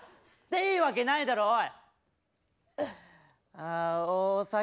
いいわけないだろおい！